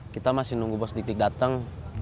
kita masih nunggu bos dikit dateng